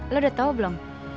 lo udah tau belum